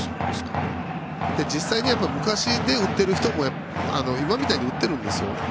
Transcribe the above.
実際には昔に打ってる人も今みたいに打ってるんですよ。